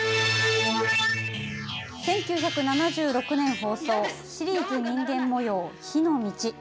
１９７６年放送シリーズ人間模様「火の路」。